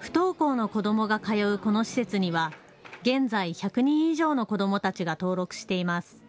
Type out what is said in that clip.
不登校の子どもが通うこの施設には現在、１００人以上の子どもたちが登録しています。